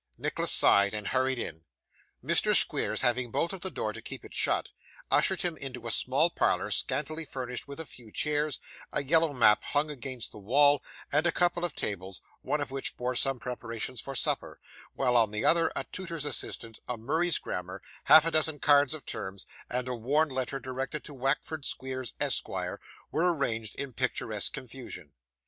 Nicholas sighed, and hurried in. Mr. Squeers, having bolted the door to keep it shut, ushered him into a small parlour scantily furnished with a few chairs, a yellow map hung against the wall, and a couple of tables; one of which bore some preparations for supper; while, on the other, a tutor's assistant, a Murray's grammar, half a dozen cards of terms, and a worn letter directed to Wackford Squeers, Esquire, were arranged in picturesque confusion.